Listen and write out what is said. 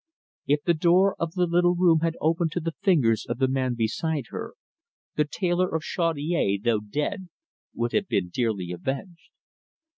If the door of the little room upstairs had opened to the fingers of the man beside her, the tailor of Chaudiere, though dead, would have been dearly avenged.